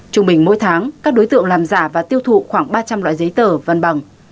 trung bình mỗi tháng các đối tượng làm giả và tiêu thụ khoảng ba trăm linh loại giấy tờ văn bằng